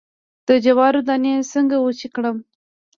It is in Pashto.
د جوارو دانی څنګه وچې کړم؟